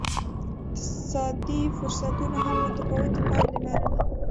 د اقتصادي فرصتونو هم متفاوتې پایلې لرلې.